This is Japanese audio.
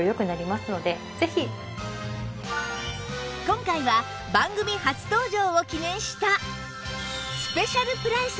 今回は番組初登場を記念した